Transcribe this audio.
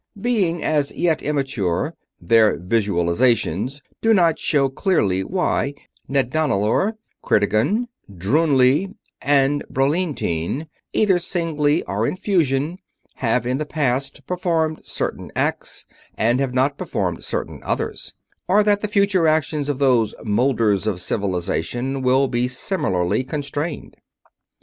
Being as yet immature, their visualizations do not show clearly why Nedanillor, Kriedigan, Drounli, and Brolenteen, either singly or in fusion, have in the past performed certain acts and have not performed certain others; or that the future actions of those Moulders of Civilization will be similarly constrained.